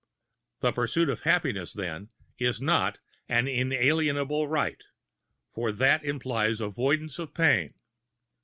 The "pursuit of happiness," then, is not an "inalienable right," for that implies avoidance of pain.